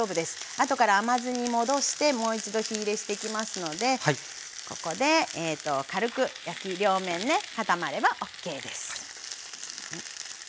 あとから甘酢に戻してもう一度火入れしていきますのでここで軽く両面ね固まればＯＫです。